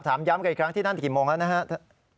ถามย้ำกันอีกครั้งที่นั่นกี่โมงแล้วนะครับ